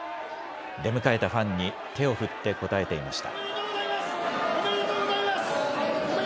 出迎えたファンに、手を振って応えていました。